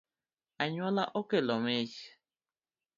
Anyuola okelo mich